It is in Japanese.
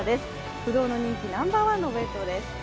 不動の人気、ナンバーワンのお弁当です。